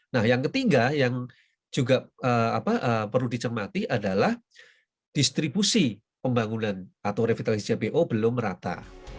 nah yang ketiga yang juga perlu dicermati adalah distribusi pembangunan atau revitalisasi jpo belum rata